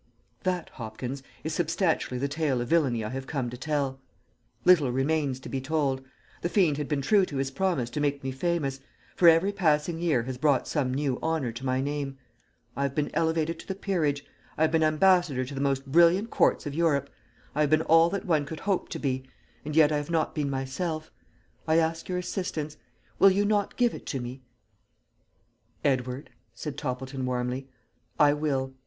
"That, Hopkins, is substantially the tale of villainy I have come to tell. Little remains to be told. The fiend has been true to his promise to make me famous, for every passing year has brought some new honour to my name. I have been elevated to the peerage; I have been ambassador to the most brilliant courts of Europe; I have been all that one could hope to be, and yet I have not been myself. I ask your assistance. Will you not give it to me?" "Edward," said Toppleton warmly, "I will.